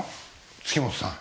月本さん。